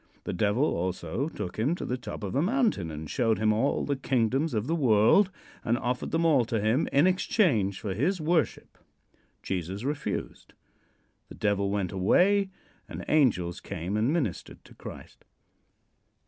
The Devil also took him to the top of a mountain and showed him all the kingdoms of the world and offered them all to him in exchange for his worship. Jesus refused. The Devil went away and angels came and ministered to Christ.